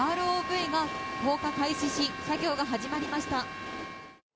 ＲＯＶが降下開始し作業が開始しました。